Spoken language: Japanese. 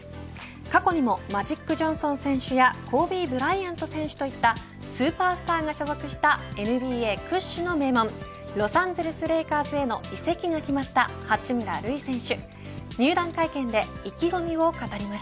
過去にもマジック・ジョンソン選手やコービー・ブライアント選手といったスーパースターが所属したＮＢＡ屈指の名門ロサンゼルスレイカーズへの移籍が決まった八村塁選手。